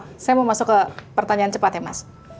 oke saya mau masuk ke pertanyaan cepat ya mas